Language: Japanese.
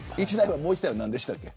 もう１台は何でしたっけ。